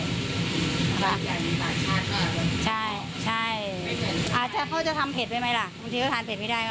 ใช่ใช่อาจจะเขาจะทำเผ็ดไว้ไหมล่ะบางทีเขาทานเผ็ดไม่ได้